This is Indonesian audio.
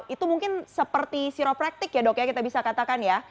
itu mungkin seperti siropraktik ya dok ya kita bisa katakan ya